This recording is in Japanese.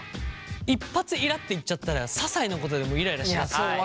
一発イラっていっちゃったらささいなことでもイライラしちゃう。